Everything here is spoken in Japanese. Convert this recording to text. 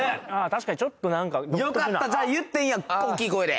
確かにちょっと何かよかったじゃあ言っていいんや大きい声で